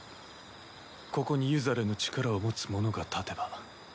ここにユザレの力を持つ者が立てば。